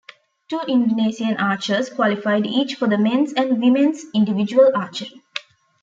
Two Indonesian archers qualified each for the men's and women's individual archery.